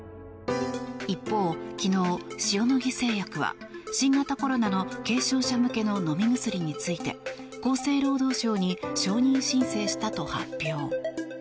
一方、昨日、塩野義製薬は新型コロナの軽症者向けの飲み薬について厚生労働省に承認申請したと発表。